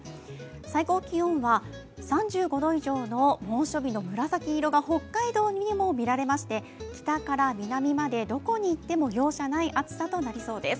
最高気温は３５度以上の猛暑日の紫色の北海道にも見られまして、北から南までどこに行っても容赦ない暑さとなりそうです。